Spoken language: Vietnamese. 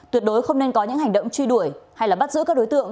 tuyệt đối không nên có những hành động truy đuổi hay bắt giữ các đối tượng